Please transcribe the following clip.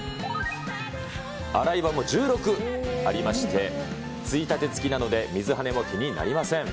洗い場も１６ありまして、ついたて付きなので水はねも気になりません。